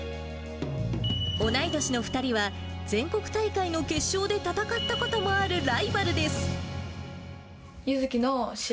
同い年の２人は、全国大会の決勝で戦ったこともあるライバルです。